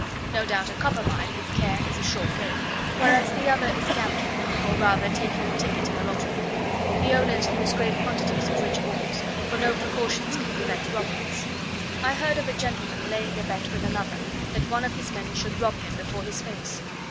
No doubt a copper mine with care is a sure game, whereas the other is gambling, or rather taking a ticket in a lottery. The owners lose great quantities of rich ores; for no precautions can prevent robberies. I heard of a gentleman laying a bet with another, that one of his men should rob him before his face.